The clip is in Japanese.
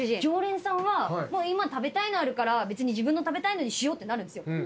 常連さんは今食べたいのあるから別に自分の食べたいのにしようってなるんですよ。